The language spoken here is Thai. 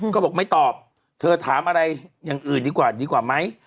ก็บอกไม่ตอบเธอถามอะไรอย่างอื่นดีกว่าดีกว่าไหม